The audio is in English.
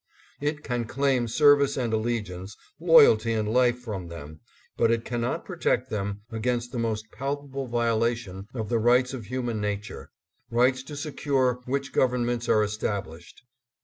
It can claim service and allegiance, loyalty and life from them, but it cannot protect them against the most palpable violation of the rights of human nature ; rights to secure which governments are established.